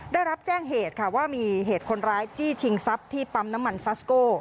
ได้รับแจ้งเหตุค่ะว่ามีเหตุคนร้ายจี้ชิงทรัพย์ที่ปั๊มน้ำมันซัสโก้